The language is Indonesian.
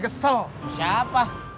kita main hébak gu